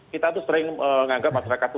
kita tuh sering menganggap masyarakat itu